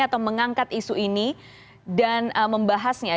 atau mengangkat isu ini dan membahasnya